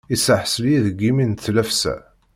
Iseḥṣel-iyi deg imi n tlafsa.